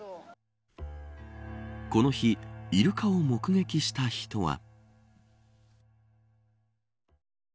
この日、イルカを目撃した人は。